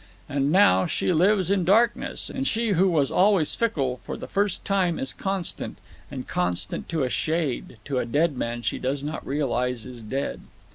And now she lives in darkness, and she who was always fickle, for the first time is constant—and constant to a shade, to a dead man she does not realize is dead.